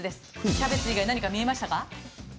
キャベツ以外に何か見えましたか。